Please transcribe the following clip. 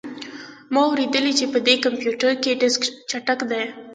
ما اوریدلي چې په دې کمپیوټر کې ډیسک چټک دی